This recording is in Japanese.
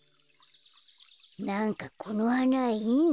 なんかこのはないいな。